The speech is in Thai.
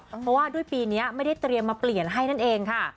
เพราะว่าด้วยปีนี้ไม่ได้เตรียมมาเปลี่ยนให้นั่นเองค่ะ